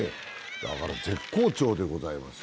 だから絶好調でございます。